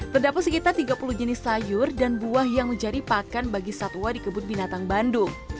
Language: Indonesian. terdapat sekitar tiga puluh jenis sayur dan buah yang menjadi pakan bagi satwa di kebun binatang bandung